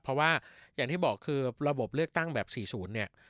เพราะว่าอย่างที่บอกคือระบบเลือกตั้งแบบ๔๐เนี่ย